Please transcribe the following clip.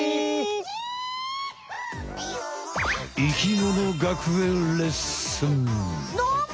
生きもの学園レッスン！